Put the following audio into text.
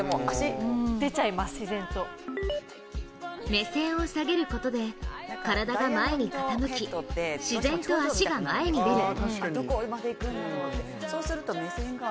目線を下げることで体が前に傾き、自然と足が前に出る。